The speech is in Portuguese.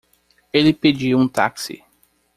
Ele pediu um táxi